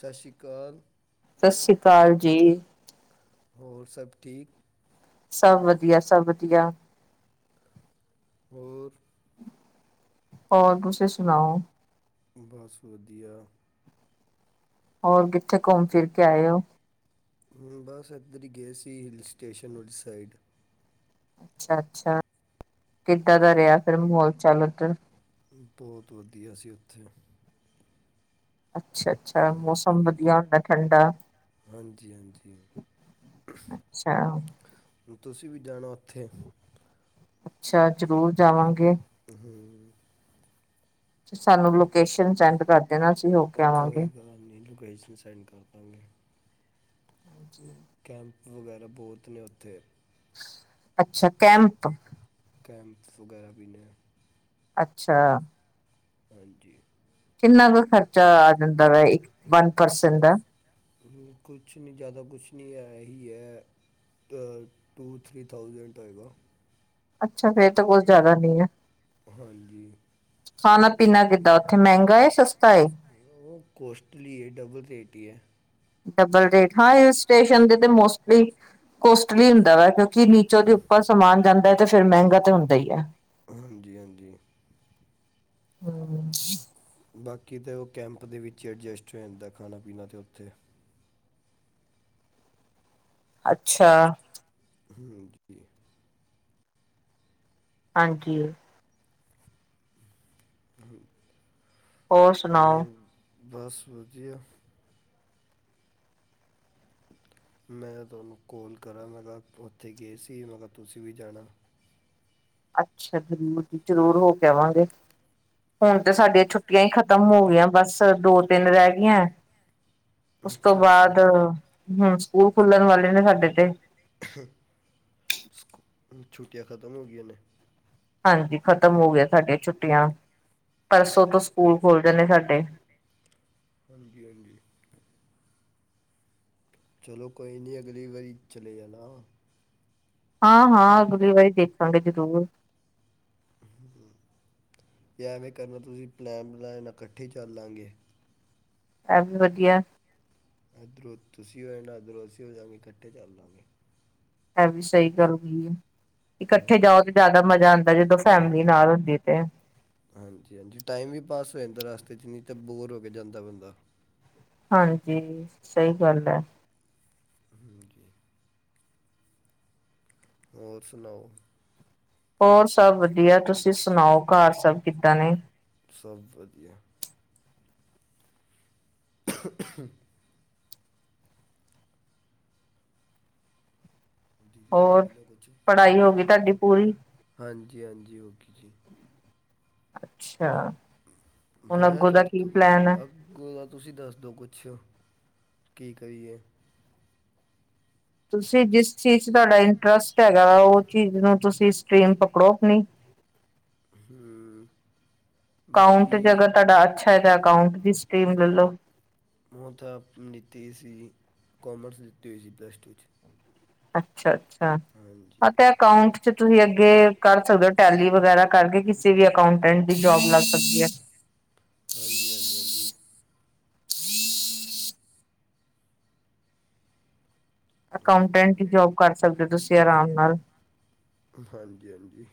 ਸਤਿ ਸ਼੍ਰੀ ਅਕਾਲ। ਸਤਿ ਸ੍ਰੀ ਅਕਾਲ ਜੀ। ਹੋਰ ਸਭ ਠੀਕ? ਸਭ ਵਧੀਆ ਸਭ ਵਧੀਆ। ਹੋਰ? ਹੋਰ ਤੁਸੀਂ ਸੁਣਾਓ? ਬਸ ਵਧੀਆ। ਹੋਰ ਕਿੱਥੇ ਘੁੰਮ ਫਿਰ ਕੇ ਆਏ ਹੋ? ਮੁੰ ਬਸ ਅੱਦਰਰੀ ਗਏ ਸੀ ਹਿਲ ਸਟੇਸ਼ਨ ਉਲ ਸਾਈਡ। ਅੱਛਾ ਅੱਛਾ ਕਿੱਦਾਂ ਦਾ ਰਿਹਾ ਫਿਰ ਮਾਹੌਲ ਚੱਲ ਉਧਰ। ਬਹੁਤ ਵਧੀਆ ਸੀ ਉੱਥੇ ਅੱਛਾ ਅੱਛਾ ਮੌਸਮ ਹਾਂਜੀ ਵਧੀਆ ਹੁੰਦਾ ਠੰਡਾ। ਹਾਂਜੀ ਹਾਂਜੀ ਅੱਛਾ। ਤੁਸੀਂ ਵੀ ਜਾਣਾ ਉੱਥੇ। ਅੱਛਾ ਜ਼ਰੂਰ ਜਾਵਾਂਗੇ ਹਮ, ਸਾਨੂੰ ਲੋਕੇਸ਼ਨ ਸੈਂਡ ਕਰ ਦੇਣਾ ਅਸੀਂ ਹੋ ਕੇ ਆਵਾਂਗੇ ਕੋਈ ਗੱਲ ਨੀ ਲੋਸ਼ਨ ਸੈਂਡ ਕਰ ਦਾਂਗੇ ਹਾਂਜੀ ਪੰੈਂਪ ਵਗੈਰਾ ਬਹੁਤ ਨੇ ਉੱਥੇ ਅੱਛਾ ਕੈਂਮਪ ਕੈਂਪ ਵਗੈਰਾ ਵੀੀਦੇ ਅੱਛਾ ਹਾਂਜੀ ਕਿੰਨਾ ਕੁ ਖਰਚਾ ਆ ਜਾਂਦਾ ਵਾ ਇੱਕ ਵਨ ਪਰਸਨਟ ਦਾ ਕੁਛ ਨਹੀਂ ਜ਼ਿਆਦਾ ਕੁਛ ਨਹੀਂ ਹੈ ਹੀ ਹੈ ਟੂ ਥ੍ਰਰੀ ਥਾਊਜੈਂਡ ਆਏਗਾ ਅੱਛਾ ਫੇਰ ਤਾਂ ਕੁਛ ਜ਼ਿਆਦਾ ਨਹੀਂ ਹੈ ਹਾਂਜੀ ਖਾਣਾ ਪੀਣਾ ਕਿੱਦਾਂ ਉੱਥੇ ਮਹਿੰਗਾ ਏ ਸਸਤਾ ਉਹ ਕੋੌਸਟਲੀ ਹੈ ਡਬਲ ਰੇਟ ਹੀ ਹੈ ਡਬਲ ਰੇਟ ਹਾਂ ਹਲ ਸਟੇਸ਼ਨ ਦੇ ਤੇ ਮੋਸਟਲੀ ਕੋਸਟਲੀ ਹੁੰਦਾ ਵਾ ਕਿਉਂਕਿ ਨੀਚੋਂ ਦੇ ਉੱਪਰ ਸਮਾਨ ਜਾਂਦਾ ਹੈ ਤੇ ਫਿਰ ਮਹਿੰਗਾ ਤਾਂ ਹੁੰਦਾ ਹੀ ਹੈ ਹਾਂਜੀ ਹਾਂਜੀ ਹਮ ਬਾਕੀ ਤਾਂ ਉਹ ਕੈਂਪ ਦੇ ਵਿੱਚ ਹੀ ਐਡਜਸਟ ਹੋ ਜਾਂਦਾ ਖਾਣਾ ਪੀਣਾ ਤਾਂ ਉੱਥੇ ਅੱਛਾ ਹ ਜੀ ਹਾਂਜੀ ਹਮ ਹੋਰ ਸੁਣਾਓ ਬਸ ਵਧੀਆ ਮੈਂ ਤੁਹਾਨੂੰ ਕੋਲ ਕਰਾਂ ਮੈਂ ਕਿਹਾ ਉੱਥੇ ਗਏ ਸੀ ਮੈਂ ਕਿਹਾ ਤੁਸੀਂ ਵੀ ਜਾਣਾ ਅੱਛਾ ਜ਼ਰੂਰ ਜੀ ਜ਼ਰੂਰ ਹੋ ਕੇਵਾਂਗੇ ਹੁਣ ਤੇ ਸਾਡੀਆਂ ਛੁੱਟੀਆਂ ਹੀ ਖ਼ਤਮ ਹੋ ਗਈਆਂ ਬਸ ਦੋ ਤਿੰਨ ਰਹਿ ਗਈਆਂ ਉਸ ਤੋਂ ਅੱਛਾ ਅੱਛਾ ਬਾਅਦ ਹਮ ਸਕੂਲ ਖੁਲਣ ਵਾਲੇ ਨੇ ਸਾਡੇ ਤੇ ਸਕ ਛੁੱਟੀਆਂ ਖਤਮ ਹੋ ਗਈਆਂ ਨੇ ਹਾਂਜੀ ਖਤਮ ਹੋ ਗਿਆ ਸਾਡੀਆਂ ਛੁੱਟੀਆਂ ਪਰਸੋਂ ਤੋਂ ਸਕੂਲ ਖੁੱਲ ਜਾਂਦੇ ਸਾਡੇ ਹਾਂਜੀ, -ਹਾਂਜੀ ਚਲੋ ਕੋਈ ਨਹੀਂ ਅਗਲੀ ਵਾਰੀ ਚਲੇ ਜਾਣਾ ਹਾਂ ਹਾਂ ਅਗਲੀ ਵਾਰੀ ਦੇਖਾਂਗੇ ਜ਼ਰੂਰ ਹਮ ਐਵੇਂ ਕਰਨਾ ਤੁਸੀਂ ਪਲੈਨ ਬਣਾੈ ਇਕੱਠੇ ਚੱਲ ਲਾਂਗੇ ਇਹ ਵੀ ਵਧੀਆ ਇੱਧਰੋਂ ਤੁਸੀਂ ਹੋ ਜਾਣਾ ਇੱਧਰੋਂ ਅਸੀਂ ਹੋ ਜਾਗੇ ਇਕੱਠੇ ਚੱਲ ਜਾਵਾਂਗੇ ਹੈ ਵੀ ਸਹੀ ਕਰਗੀ ਇਕਠੇ ਜਾਓ ਹਾਂਜੀ ਤੇ ਜਿਆਦਾ ਮਜ਼ਾ ਆਉਂਦਾ ਜਦੋਂ ਫੈਮਲੀ ਹਾਂਜੀ ਨਾਲ ਹਾਂਜੀ ਹੁੰਦੀ ਤੇ ਹਾਂਜੀ ਹਾਂਜੀ ਟਾਈਮ ਵੀ ਪਾਸ ਹੋ ਜਾਂਦਾ ਰਸਤੇ 'ਚ ਨਹੀਂ ਤਾਂ ਬੋਰ ਹੋ ਕੇ ਜਾਂਦਾ ਬੰਦਾ ਹਾਂਜੀ ਸਹੀ ਗੱਲ ਹੈ ਹਮ ਜੀ ਹੋਰ ਸੁਣਾਓ ਹੋਰ ਸਭ ਵਧੀਆ ਤੁਸੀਂ ਸੁਣਾਓ ਘਰ ਸਭ ਕਿੱਦਾਂ ਨੇ ਸਭ ਵਧੀਆ [inaudible] ਦੀਦੀ ਬੋਲ ਹੋਰ ਵੀ ਨਾ ਕੁਛ ਪੜ੍ਹਾਈ ਹੋ ਗਈ ਤੁਹਾਡੀ ਪੂਰੀ। ਜੀ ਹਾਂਜੀ ਓਕੇ ਜੀ ਅੱਛਾ। ਹੁਣ ਮੈਂ ਅੱਗੋਂ ਦਾ ਤੁਹਾਡੇ ਕੀ ਤੋਂ ਪਲੈਨ ਹੈ ਅੱਗੋਂ ਤੁਸੀਂ ਦੱਸ ਦਿਓ ਕੁਛ ਕੀ ਕਰੀਏ ਤੁਸੀਂ ਜਿਸ ਚੀਜ਼ 'ਚ ਤੁਹਾਡਾ ਇੰਟਰਸਟ ਹੈਗਾ ਵ ਉਹ ਚੀਜ਼ ਨੂੰ ਤੁਸੀਂ ਸਟ੍ਰਰੀਮ ਪਕੜੋ ਆਪਣੀ ਹਮ। ਅਕਾਊਂਟ ' ਅਗਰ ਤੁਹਾਡਾ ਅੱਛਾ ਹੈ ਤਾਂ ਅਕਾਊਂਟ ਦੀ ਸਟਰੀਮ ਲੈ ਲੋ ਕੋਮਰਸ ਲੀਤੀ ਹੋਈ ਸੀ ਪਲੱਸ ਟੂ 'ਚ ਅੱਛਾ ਅੱਛਾ ਹਾਂਜੀ ਹਾਂ ਤੇ ਅਕਾਊਂਟ ਚ ਤੁਸੀਂ ਅੱਗੇ ਕਰ ਸਕਦੇ ਹੋ ਟੈਲੀ ਵਗੈਰਾ ਕਰਕੇ ਕਿਸੇ ਵੀ ਅਕਾਉਟੈਂਟ ਦੀ ਜੋਬ ਲੱਗ ਸਕਦੀ ਹੈ। ਹਾਂਜੀ ਹਾਂਜੀ ਹਾਂਜੀ। ਉਹੀ ਅਕਾਊਂਟੈਂਟ ਕੰਮ ਹੀ ਹੈ। ਜੋਬ ਕਰ ਸਕਦੇ ਹੋ ਤੁਸੀਂ ਆਰਾਮ ਨਾਲ ਹਾਂਜੀ ਹਾਂਜੀ।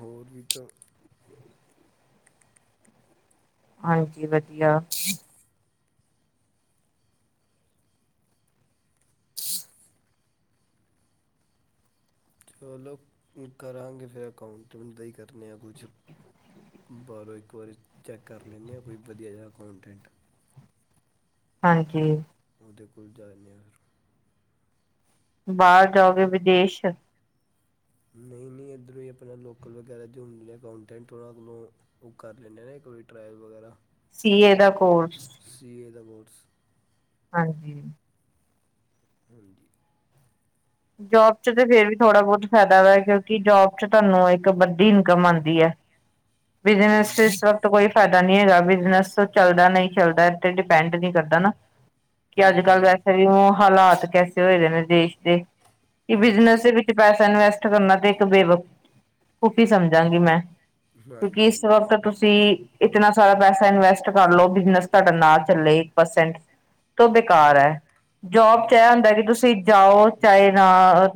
ਹੋਰ ਵੀ ਤਾਂ ਹਾਂਜੀ ਵਧੀਆ। ਚਲੋ ਕਰਾਂਗੇ ਫਿਰ ਅਕਾਊਂਟ ਮੈਂਨੂੰ ਤਾਂ ਹੀ ਕਰ ਲਿਆ ਕੁਛ ਬਾਹਰੋਂ ਕੋਈ ਚੱਕਰ ਨਹੀਂ ਏ ਕੋਈ ਵਧੀਆ ਜਿਹਾ ਅਕਾਊਂਟੈਂਟ ਹਾਂਜੀ ਉਹਦੇ ਕੋਲ ਜਾਦੇ ਅ ਬਾਹਰ ਜਾਓਗੇ ਵਿਦੇਸ਼ ਨਹੀਂ ਨਹੀਂ। ਇੱਧਰੋਂ ਆਪਣਾ ਲੋਕਲ ਵਗੈਰਾ ਜੁੰਮ ਦੇ ਅਕਕਾਊਂਟੈਂਟ ਉਹਨਾਂ ਕੋਲੋਂ ਉਹ ਕਰ ਲੈਂਦੇ ਨਾ ਇੱਕ ਕੋ ਵਾਰੀ ਟਰਾਇਲ ਵਗੈਰਾ ਸੀਏ ਦਾ ਕੋਰਸ ਰਬੋਟਸ ਹਾਂਜੀ। ਹਾਂਜੀ। ਜੋਬ ਚ ਫੇਰ ਵੀ ਥੋੜ੍ਹਾ ਬਹੁਤ ਫਾਇਦਾ ਕਿਉਂਕਿ ਜੋਬ ਚ ਤੁਹਾਨੂੰ ਇੱਕ ਵੱਡੀ ਇਨਕਮ ਆਉਂਦੀ ਹੈ। [inaudible] ਬਿਜਨਸ ਚ ਹਾਂਜੀ ਇਸ ਵਕਤ ਕੋਈ ਫਾਇਦਾ ਨਹੀਂ ਹੈਗਾ। ਬਿਜਨਸ ਚੱਲਦਾ ਨਹੀਂ ਚੱਲਦਾ ਤੇ ਡਿਪੈਂਡ ਨਹੀਂ ਕਰਦਾ ਨਾ ਕਿ ਅੱਜ ਕੱਲ੍ਹ ਹੂੰ ਵੈਸੇ ਵੀ ਹਾਲਾਤ ਕੈਸੇ ਹੋਏ ਦੇ ਨੇ ਦੇਸ਼ ਦੇ ਕਿ ਹੂੰ ਬਿਜਨਸ ਦੇ ਬਿਜ਼ਨਸ ਵਿੱਚ ਪੈਸਾ ਇਨਵੈਸਟ ਕਰਨਾ ਤੇ ਇੱਕ ਬੇਵਕੁਫੀ ਸਮਝਾਂਗੀ ਮੈਂ ਮੈਂ ਕਿਉਂਕਿ ਹਾਂਜੀ ਇਸ ਹਾਂਜੀ ਵਕਤ ਤੁਸੀਂ ਇਤਨਾ ਸਾਰਾ ਪੈਸਾ ਇਨਵੈਸਟ ਕਰ ਲੋ ਬਿਜਨਸ ਤੁਹਾਡੇ ਨਾਲ ਚੱਲੇ ਇੱਕ ਪਰਸੈਂਟ ਤੋਂ ਬੇਕਾਰ ਹਾਂਜੀ ਹੈ ਜੋਬ ਚ ਇਹ ਹਾਂਜੀ ਹੁੰਦਾ ਕਿ ਤੁਸੀਂ ਜਾਓ ਚਾਹੇ ਨਾ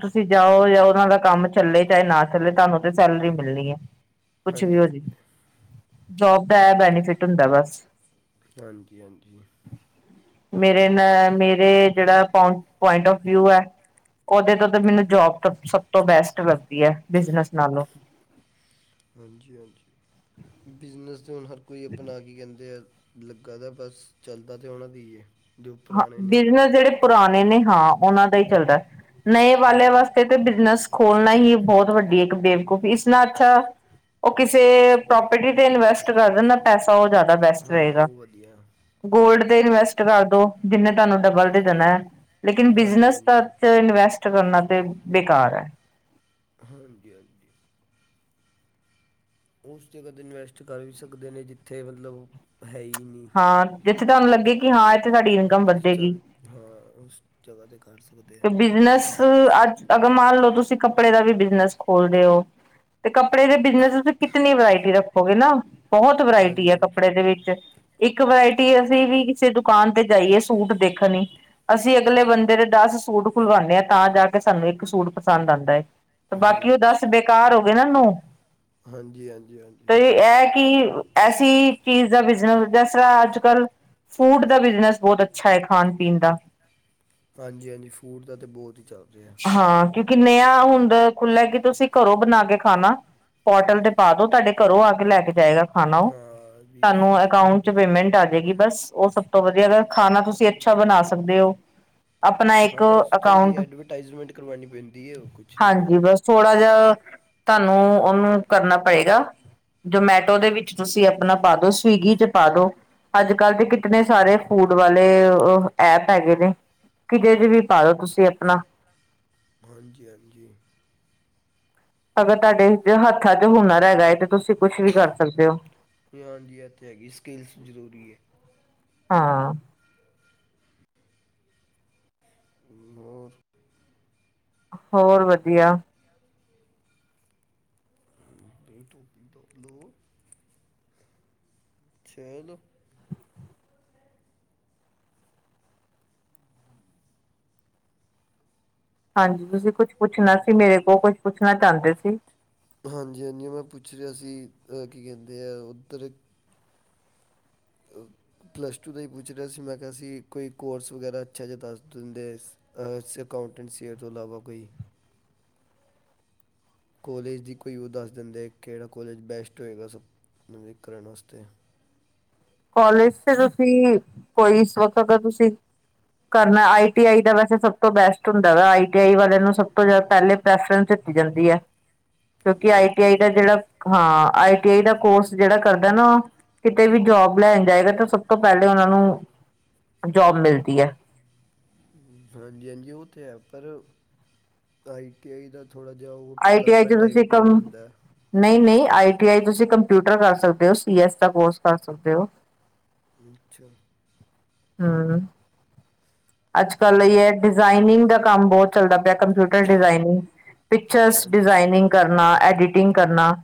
ਤੁਸੀਂ ਜਾਓ ਜਾਂ ਉਹਨਾਂ ਦਾ ਕੰਮ ਚੱਲੇ ਚਾਹੇ ਨਾ ਤੁਹਾਨੂੰ ਤੇ ਸੈਲਰੀ ਮਿਲਣੀ ਹੈ। ਕੁਛ ਵੀ ਹਾਂਜੀ ਹੋ ਜੇ ਹਾਂਜੀ ਜੋਬ ਦਾ ਇਹ ਬੈਨੀਫਿਟ ਹੁੰਦਾ ਬਸ। ਹਾਂਜੀ ਹਾਂਜੀ। ਮੇਰੇ ਮੇਰੇ ਜਿਹੜਾ ਪੁਆਇੰਟ ਫ ਵਿਊ ਏ ਉਹਦੇ ਤੋਂ ਤਾਂ ਮੈਨੂੰ ਜੋਬ ਤੋਂ ਸਭ ਤੋਂ ਬੈਸਟ ਮਿਲ ਹਾਂਜੀ ਹਾਂਜੀ ਬਿਜਨਸ ਦੇ ਹੁਣ ਹਰ ਕੋਈ ਆਪਣਾ ਕੀ ਕਹਿੰਦੇ ਲੱਗਾ ਦਾ ਬਸ ਚਲਦਾ ਤਾਂ ਆਣਾ ਦੇਏ ਹਾਂ ਬਿਜਨਸ ਜਿਹੜੇ ਪੁਰਾਣੇ ਨੇ ਹਾਂ ਉਹਨਾਂ ਦਾ ਹੀ ਚੱਲਦਾ। ਨਏ ਵਾਲਿਆਂ ਵਾਸਤੇ ਤੇ ਬਿਜਨਸ ਖੋਲਣਾ ਹੀ ਬਹੁਤ ਵੱਡੀ ਇੱਕ ਬੇਵਕੂਫ਼ੀ ਇਸ ਨਾਲ ਅੱਛਾ ਉਹ ਕਿਸੇ ਪ੍ਰੋਪਰਟੀ ਤੇ ਇਨਵੈਸਟ ਕਰ ਦੇ ਨਾ ਪੈਸਾ ਸ ਜ਼ਿਆਦਾ ਬੈਸਟ ਹਾਂ ਰਹੇਗਾ ਉਹ ਵਧੀਆ ਗੋਲਡ ਤੇ ਇਨਵੈਸਟ ਕਰਦੋ। ਜਿੰਨੇ ਤੁਹਾਨੂੰ ਡਬਲ ਦੇ ਦੇਣਾ ਹੈ ਲੇਕਿਨ ਹਾਂਜੀ ਬਿਜਨਸ ਹਾਂਜੀ ਇਨਵੈਸਟ ਕਰਨਾ ਤੇ ਬੇਕਾਰ ਹੈ। ਹਾਂਜੀ ਹਾਂਜੀ। ਉਸ ਜਗ੍ਹਾ 'ਤੇ ਇਨਵੈਸਟ ਕਰ ਵੀ ਸਕਦੇ ਨੇ ਜਿੱਥੇ ਮਤਲਬ ਹੈ ਹੀ ਨਹੀਂ। ਹਾਂ ਜਿੱਥੇ ਤੁਹਾਨੂੰ ਲੱਗੇ ਕਿ ਹਾਂ। ਸਾਡੀ ਇਨਕਮ ਅੱ ਵੱਧੇਗੀ। ਚੱਲ ਹਾਂ ਉਸ ਜਗ੍ਹਾ ਤੇ ਘਰ ਤੇ ਬਿਜਨਸ ਅੱਜ ਅਗਰ ਮੰਨ ਲਓ ਤੁਸੀਂ ਕੱਪੜੇ ਦਾ ਵੀ ਬਿਜਨਸ ਖੋਲਦੇ ਹੋ। ਤੇ ਕੱਪੜੇ ਦੇ ਬਿਜਨਸ ਤੁਸੀਂ ਕਿਤਨੀ ਵਰਾਇਟੀ ਰੱਖੋਗੇ ਨਾ। ਬਹੁਤ ਵਰਾਇਟੀ ਹਾਂਜੀ ਆ ਕੱਪੜੇ ਦੇ ਵਿੱਚ ਇੱਕ ਵਰਾਇਟ ਅਸੀਂ ਵੀ ਕਿਸੇ ਦੁਕਾਨ ਤੇ ਜਾਈਏ ਸੂਟ ਦੇਖਣੀ ਅਸੀਂ ਅਗਲੇ ਬੰਦੇ ਦੇ ਦੱਸ ਸੂ ਸੂਟ ਖੁਲਵਾਉਂਣੇ ਆਂ ਤਾਂ ਜਾ ਕੇ ਸਾਨੂੰ ਇੱਕ ਸੂਟ ਪਸੰਦ ਆਉਦਾ ਹੈ। ਤੇ ਬਾਕੀ ਉਹ ਦੱਸ ਹਾਂਜੀ ਹਾਂਜੀ ਬੇਕਾਰ ਹੋ ਗਏ ਨਾ ਨੂੰ ਹਾਂਜੀ -ਹਾਂਜੀ- ਹਾਂਜੀ। ਇਹ ਕਿ ਐਸੀ ਚੀਜ਼ ਦਾ ਬਿਜਨਸ ਜਿਸ ਤਰ੍ਹਾਂ ਅੱਜ ਕੱਲ ਫੂਡ ਦਾ ਬਿਜ਼ਨਸ ਬਹੁਤ ਅੱਛਾ ਹੈ ਖਾਣ ਪੀਣ ਦਾ ਹਾਂਜੀ -ਹਾਂਜੀ ਫੂਡ ਦਾ ਤਾਂ ਬਹੁਤ ਹੀ ਚੱਲ ਰਿਹਾ। ਕਿੰਨੇ ਆ ਹੁੰਦਾ ਖੁੱਲ੍ਹਾ ਕਿ ਤੁਸੀਂ ਘਰੋ ਬਣਾ ਕੇ ਖਾਣਾ ਪੋਰਟਲ ਤੇ ਪਾ ਦੋ ਤੁਹਾਡੇ ਘਰੋਂ ਆ ਕੇ ਲੈ ਕੇ ਜਾਏਗਾ ਖਾਣਾ ਉਹ ਹਾਂ ਵੀ ਤੁਹਾਨੂੰ ਅਕਾਊਂਟ 'ਚ ਪੇਮੈਂਟ ਆ ਜਾਏਗੀ ਬਸ ਉਹ ਸਭ ਤੋਂ ਵਧੀਆ ਅ ਖਾਣਾ ਤੁਸੀਂ ਅੱਛਾ ਬਣਾ ਸਕਦੇ ਹੋ ਆਪਣਾ ਹਾਂ ਇੱਕ ਬਸ ਥੋੜ੍ਹੀ ਅਕਾਊਂਟ ਐਡਵਰਟਾਈਜ਼ਮੈਂਟ ਕਰਵਾਉਣੀ ਪੈਂਦੀ ਹੈ ਉਹ ਕੁਛ ਨਹੀਂ ਹੈ। ਹਾਂਜੀ ਬਸ ਥੋੜਾ ਤੁਹਾਨੂੰ ਉਹਨੂੰ ਕਰਨਾ ਪਏਗਾ। ਜਮੈਟੋ ਦੇ ਵਿੱਚ ਤੁਸੀਂ ਆਪਣਾ ਪਾ ਦੋ ਸਵੀਗੀ 'ਚ ਪਾ ਦੋ। ਅੱਜ ਕੱਲ ਤੇ ਕਿਤਨ ਸਾਰੇ ਫੂਡ ਵਾਲੇ ਐਪ ਹੈਗੇ ਨੇ ਕਿਤੇ ਵੀ ਪਾਓ ਤੁਸੀਂ ਆਪਣਾ ਹਾਂਜੀ- ਹਾਂਜੀ ਅਗਰ ਤੁਹਾਡੇ ਹੱਥਾਂ 'ਚ ਹੁਨਰ ਹੈਗਾ ਤੇ ਤੁਸੀਂ ਕੁਛ ਵੀ ਕਰ ਸਕਦੇ ਹੋ। ਹਾਂਜੀ ਇੱਥੇ ਹੈਗੀ ਸਕਿੱਲਸ ਜ਼ਰੂਰੀ ਹੈ। ਹਾਂ। ਹੋੋਰ ਹੋਰ ਵਧੀਆ [inaudible] ਚਲੋ ਹਾਂਜੀ ਤੁਸੀਂ ਕੁਛ ਪੁੱਛਣਾ ਸੀ ਮੇਰੇ ਕੋਲ ਕੁਛ ਪੁੱਛਣਾ ਚਾਹੁੰਦੇ ਸੀ। ਹਾਂਜੀ -ਹਾਂਜੀ ਮੈਂ ਪੁੱਛ ਰਿਹਾ ਸੀ ਕੀ ਕਹਿੰਦੇ ਆ ਉੱਧਰ [inaudible] ਪਲੱਸ ਟੂ ਤੋਂ ਹੀ ਪੁੱਛ ਰਿਹਾ ਸੀ ਮੈਂ ਕਿਹਾ ਸੀ ਕੋਈ ਕੋਰਸ ਵਗੈਰਾ ਅੱਛਾ ਜਿਹਾ ਦੱਸ ਦਿੰਦੇ। ਅਕਾਕਾਊਂਟੈਂਟਸੀਅਰ ਤੋਂ ਇਲਾਵਾ ਕੋਈ ਕੋਲਜ ਦੀ ਕੋਈ ਉਹ ਦੱਸ ਦਿੰਦੇ ਕਿਹੜਾ ਕੋਲਜ ਬੈਸਟ ਹੋਏਗਾ ਸਭ ਤੋਂ ਨਵੀ ਕਰਣ ਵਸਤੇ [inaudible] ਕੋਲਜ ਤੇ ਤੁਸੀਂ ਕੋਈ ਵਕਤ ਤੁਸੀਂ ਕਰਨਾ ਆਈ ਟੀ ਆਈ ਦਾ ਵੈਸੇ ਸਭ ਤੋਂ ਬੈਸਟ ਹੁੰਦਾ ਵਾ ਆਈ ਟੀ ਆਈ ਵਾਲੇ ਨੂੰ ਸਭ ਤੋਂ ਜਿਆਦਾ ਪਹਿਲੇ ਪ੍ਰੈਫਰਸ ਜਾਂਦੀ ਹੈ ਕਿਉਂਕਿ ਆਈਟੀ ਮਾਈਟੀ ਆਈ ਦਾ ਜਿਹੜਾ ਹਾਂ। ਆਈ ਟੀ ਆਈ ਦਾ ਕੋਰਸ ਜਿਹੜਾ ਕਰਦਾ ਨਾ ਉਹ ਕਿਤੇ ਵੀ ਜੋਬ ਲੈਣ ਜਾਏਗਾ ਤੇ ਸਭ ਤੋਂ ਪਹਿਲੇ ਉਹ ਨੂੰ ਜੋਬ ਮਿਲਦੀ ਹੈ। ਹਾਂਜੀ- ਹਾਂਜੀ ਉਹ ਤਾਂ ਹੈ ਪਰ ਆਈ ਟੀ ਆਈ ਦਾ ਥੋੜ੍ਹਾ ਜਿਹਾ ਉਹ ਆਈ ਟੀ ਆਈ ਪਲੰਬਰ ਚ ਟਾਈਪ ਤੁਸੀਂ ਦਾ ਕੰਮ ਜਾਂਦਾ। ਨਹੀਂ ਨਹੀਂ ਆਈ ਟੀ ਆਈ ਤੁਸੀ ਕੰਪਿਊਟਰ ਕਰ ਸਕਦੇ ਹੋ ਸੀ ਦਾ ਕੋਰਸ ਕਰ ਸਕਦੇ ਹੋ। ਅੱਛਾ ਹਾਂ। ਅੱਜ ਕੱਲ ਆਈ ਇਹ ਹੈ ਡਿਜ਼ਾਇਨਿੰਗ ਦਾ ਕੰਮ ਬਹੁਤ ਚੱਲਦਾ ਪਿਆ। ਕੰਪਿਊਟਰ ਡਿਜ਼ਾਈਨਿੰਗ ਪਿਕਚਰਸ ਹਾਂਜੀ ਡਿਜ਼ਾਇਨਿੰਗ ਕਰਨਾ ਐਡਿਟ ਕਰਨਾ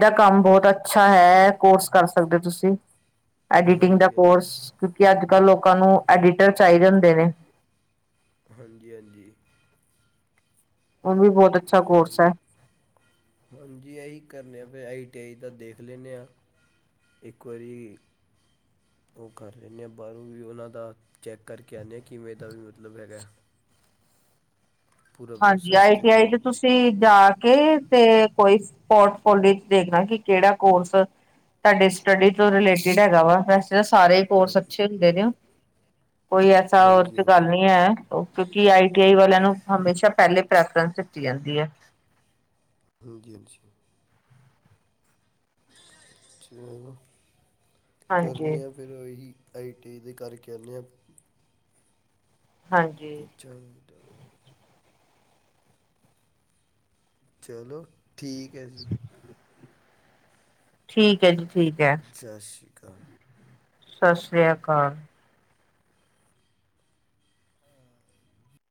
ਦਾ ਕੰਮ ਬਹੁਤ ਅੱਛਾ ਹੈ ਕੋਰਸ ਕਰ ਸਕਦੇ ਹੋ ਤੁਸੀਂ ਐਡੀਟਿੰਗ ਦਾ ਹਾਂਜੀ ਕੋਰਸ ਕਿਉਕਿ ਅੱਜ ਕਲ ਲੋਕਾਂ ਨੂੰ ਐਡੀਟਰ ਚਾਹੀਦਾ ਨੇ। [inaudible] ਹਾਂਜੀ -ਹਾਂਜੀ ਹੁਣ ਵੀ ਬਹੁਤ ਅੱਛਾ ਚ ਕੋਰਸ ਹੈ ਹਾਂਜੀ ਇਹੀ ਕਰਨੇ ਆ ਫ ਆਈਈ ਦਾ ਦੇਖ ਲੈਂਦੇ ਹਾਂ ਇੱਕ ਵਾਰੀ ਉਹ ਕਰ ਲਹਿੰਦੇ ਹਾਂ ਬਾਹਰੋਂ ਵੀ ਉਹਨਾਂ ਦਾ ਚੈੱਕ ਕਰਕੇ ਆਉਂਦੇ ਹਾਂ ਕਿਵੇਂ ਇਹ ਦਾ ਵੀ ਮਤਲਬ ਹੈਗਾ ਪੂਰਾ ਹਾਂਜੀ ਪ੍ਰੋਸੈਸ ਆਈ ਟੀ ਆਈ ਦੇਖਣਾ ਤੇ ਤੁਸੀਂ ਜਾ ਕੇ ਤੇ ਕੋਈ ਪੋਰਟਫੋਲੀਓ ਚ ਦੇਖਦਾ ਕਿ ਕਿਹੜਾ ਕੋਰਸ ਤੁਹਾਡੀ ਸਟੱਡੀ ਤੋਂ ਰਿਲੇਟਿਡ ਹੈਗਾ ਵਾ ਵੈਸੇ ਤਾਂ ਸਾਰੇ ਹੀ ਕੋਰਸ ਅੱਛੇ ਹੁੰਦੇ ਨੇ ਕੋਈ ਐਸਾ ਹੋਰ ਹਾਂਜੀ ਹਾਂਜੀ ਚ ਗੱਲ ਹਾਂਜੀ ਨਹੀਂ ਹੈ ਕਿਉਂਕਿ ਆਈ ਟੀ ਆਈ ਵਾਲਿਆਂ ਨੂੰ ਹਮੇਸ਼ਾ ਸ਼ਾ ਪਹਿਲੇ ਪ੍ਰੈਫਰਾਂ ਦਿੱਤੀ ਜਾਂਦੀ ਹੈ ਹਾਂਜੀ ਹਾਂਜੀ ਚਲੋ ਕਰਨ ਹਾਂਜੀ ਆ ਫੇਿਰ ਉਹੀ ਆਈ ਟੀ ਦੀ ਕਰਕੇਦੇ ਹਾਂ ਹਾਂਜੀ ਪੁੱਛਾ ਚਲੋ ਠੀਕ ਹੈ ਜੀ ਠੀਕ ਹੈ ਜੀ ਠੀਕ ਹੈ ਸਤਿ ਸ਼੍ਰੀ ਅਕਾਲ ਸਤਿ ਸ੍ਰੀ ਅਕਾਲ